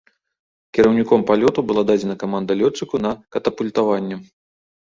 Кіраўніком палёту была дадзена каманда лётчыку на катапультаванне.